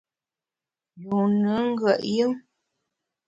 Yun ngùet yùm !